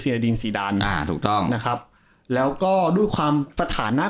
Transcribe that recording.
ซีนาดินสีดานนะครับแล้วก็ด้วยความสถานะ